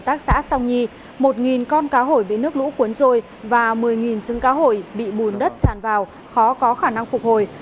trong cá hổi bị nước lũ cuốn trôi và một mươi trứng cá hổi bị bùn đất tràn vào khó có khả năng phục hồi